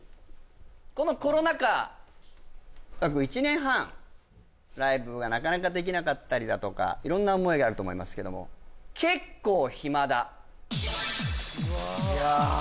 このコロナ禍約１年半ライブがなかなかできなかったりだとか色んな思いがあると思いますけども結構暇だうわ